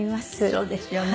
そうですよね。